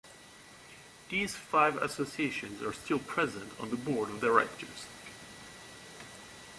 These five associations are still present on the board of directors.